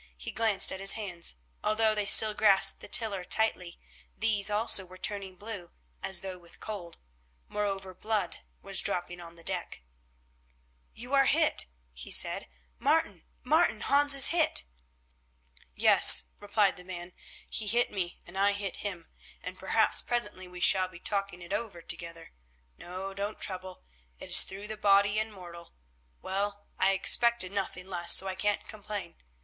He glanced at his hands. Although they still grasped the tiller tightly, these also were turning blue, as though with cold; moreover, blood was dropping on the deck. "You are hit," he said. "Martin, Martin, Hans is hit!" "Yes," replied the man, "he hit me and I hit him, and perhaps presently we shall be talking it over together. No, don't trouble, it is through the body and mortal. Well, I expected nothing less, so I can't complain.